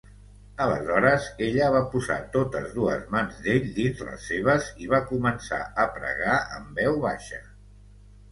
Aleshores, ella va posar totes dues mans d'ell dins les seves i va començar a pregar en veu baixa.